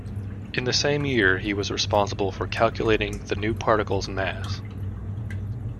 In the same year, he was responsible for calculating the new particle's mass.